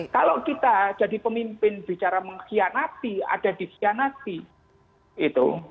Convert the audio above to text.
kalau kita jadi pemimpin bicara mengkhianati ada dikhianati gitu